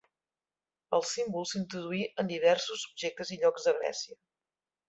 El símbol s'introduí en diversos objectes i llocs de Grècia.